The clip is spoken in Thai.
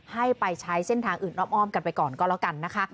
ให้ไปใช้เส้นทางอื่นอ้อมกันไปก่อนก็แล้วกันนะคะ